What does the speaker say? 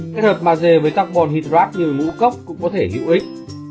kết hợp made với carbon hydrate như ngũ cốc cũng có thể hữu ích